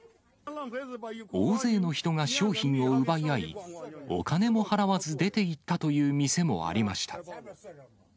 大勢の人が商品を奪い合い、お金も払わず出ていったという店もありました。